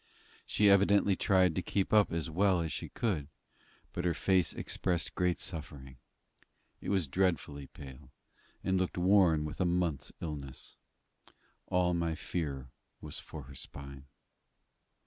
She evidently tried to keep up as well as she could; but her face expressed great suffering: it was dreadfully pale, and looked worn with a month's illness. All my fear was for her spine.